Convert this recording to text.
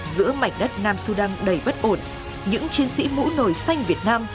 giữa mảnh đất nam sudan đầy bất ổn những chiến sĩ mũ nồi xanh việt nam